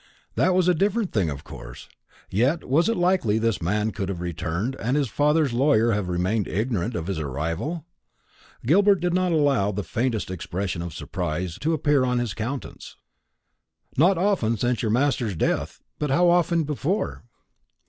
That was a different thing, of course; yet was it likely this man could have returned, and his father's lawyer have remained ignorant of his arrival? Gilbert did not allow the faintest expression of surprise to appear on his countenance. "Not often since your master's death: but how often before?"